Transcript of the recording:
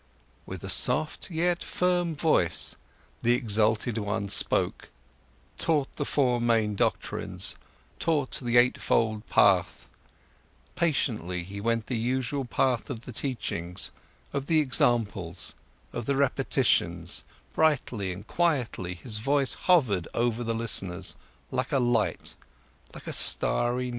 With a soft, yet firm voice the exalted one spoke, taught the four main doctrines, taught the eightfold path, patiently he went the usual path of the teachings, of the examples, of the repetitions, brightly and quietly his voice hovered over the listeners, like a light, like a starry sky.